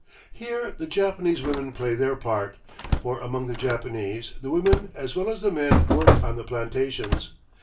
Here the Japanese women play their part for, among the Japanese, the women as well as the men work on the plantations.